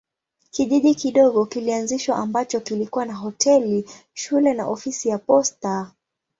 Kijiji kidogo kilianzishwa ambacho kilikuwa na hoteli, shule na ofisi ya posta.